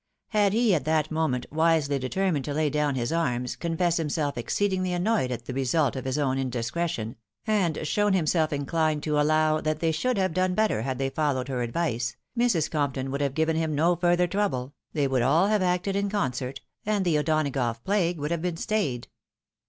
Had he at that moment wisely determined to lay down his arms, confess himself exceedingly annoyed at the result of his own indiscretion, and shown himself inclined to allow that they should have done better had they followed her advice, Mrs. Compton would have given him no further trouble; they would all have acted in concert, and the O'Donagough plague would have been stayed.